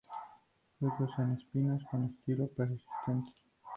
Fruto sin espinas, con estilo persistente.